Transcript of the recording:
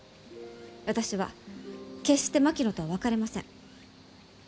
私は決して槙野とは別れません。